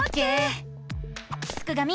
すくがミ